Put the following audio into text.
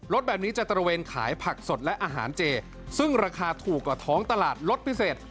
แบบนี้จะตระเวนขายผักสดและอาหารเจซึ่งราคาถูกกว่าท้องตลาดลดพิเศษ